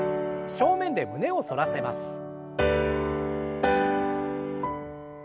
正面で胸を反らせます。